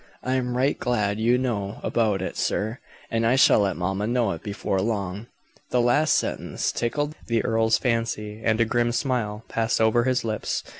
I am right glad you know about it, sir, and I shall let mamma know it before long." The last sentence tickled the earl's fancy, and a grim smile passed over his lips.